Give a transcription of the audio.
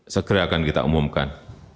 segera akan kita umumkan